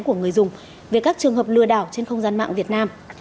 của người dùng về các trường hợp lừa đảo trên không gian mạng việt nam